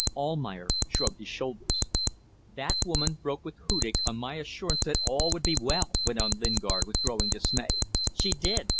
Almayer shrugged his shoulders. "That woman broke with Hudig on my assurance that all would be well," went on Lingard, with growing dismay. "She did.